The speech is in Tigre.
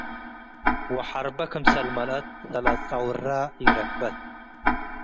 ወሐርባ ክምሰል መልአት ለለአጸውረ' ኢረክበት።